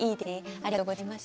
ありがとうございます。